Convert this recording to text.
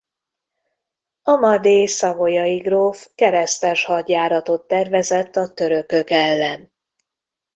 Amadé savoyai gróf keresztes hadjáratot tervezett a törökök ellen.